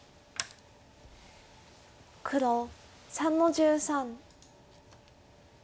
黒３の十三。